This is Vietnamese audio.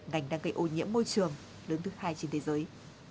ngành đang gây ô nhiễm môi trường lớn thứ hai trên thế giới